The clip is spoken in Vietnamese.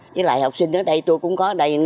với lại học sinh ở đây tôi cũng có ở đây